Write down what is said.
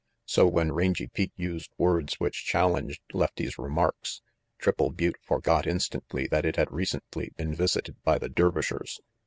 So when Rangy Pete used words which challenged Lefty's remarks, Triple Butte forgot instantly that it had recently been visited by the Dervishers.